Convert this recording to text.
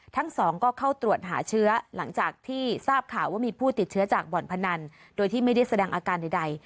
ทั้งสองก็เข้าตรวจหาเชื้อหลังจากที่ทราบข่าวว่ามีผู้ติดเชื้อจากบ่อนพนันโดยที่ไม่ได้แสดงอาการใด